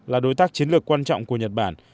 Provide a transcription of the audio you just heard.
là đối tác chiến lược quan trọng của nhật bản